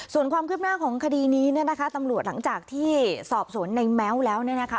ส่วนความคืบหน้าของคดีนี้เนี่ยนะคะตำรวจหลังจากที่สอบสวนในแม้วแล้วเนี่ยนะคะ